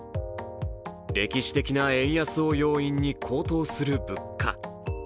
歴史的な円安を要因に高騰する物価。